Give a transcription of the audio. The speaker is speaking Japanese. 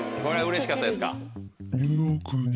これうれしかったですか？